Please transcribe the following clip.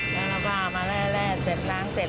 แล้วเราก็เอามาแร่เสร็จล้างเสร็จ